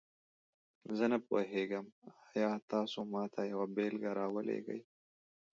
زه نه پوهیږم، آیا تاسو ماته یوه بیلګه راولیږئ؟